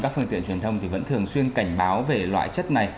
các phương tiện truyền thông vẫn thường xuyên cảnh báo về loại chất này